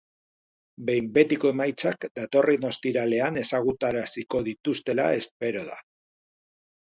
Behin-betiko emaitzak datorren ostiralean ezagutaraziko dituztela espero da.